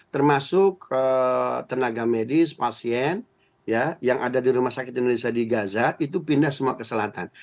termasuk tenaga medis pasien yang ada di rumah sakit indonesia di gaza itu pindah semua ke selatan